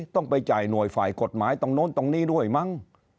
ต้องไปจ่ายหน่วยฝ่ายกฎหมายตรงนู้นตรงนี้ด้วยมั้ง